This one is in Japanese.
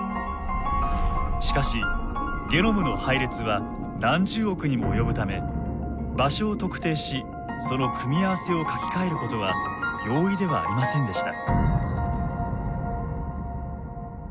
しかしゲノムの配列は何十億にも及ぶため場所を特定しその組み合わせを書きかえることは容易ではありませんでした。